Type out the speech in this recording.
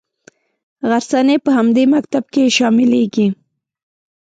غرڅنۍ په همدې مکتب کې شاملیږي.